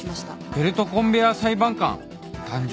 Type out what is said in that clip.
「ベルトコンベアー裁判官誕生！！」